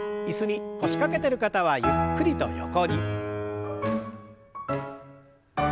椅子に腰掛けてる方はゆっくりと横に。